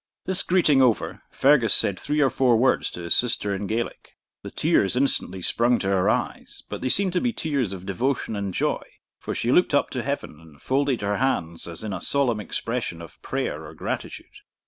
This greeting over, Fergus said three or four words to his sister in Gaelic. The tears instantly sprung to her eyes, but they seemed to be tears of devotion and joy, for she looked up to heaven and folded her hands as in a solemn expression of prayer or gratitude.